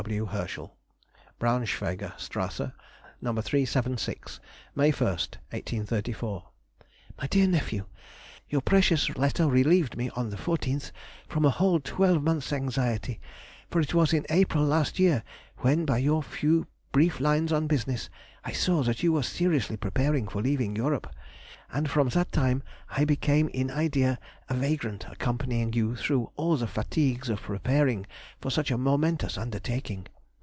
F. W. HERSCHEL. BRAUNSCHWEIGER STRASSE, No. 376, May 1, 1834. MY DEAR NEPHEW,— Your precious letter relieved me on the 14th from a whole twelvemonth's anxiety, for it was in April last year when, by your few brief lines on business, I saw that you were seriously preparing for leaving Europe, and from that time I became in idea a vagrant accompanying you through all the fatigues of preparing for such a momentous undertaking.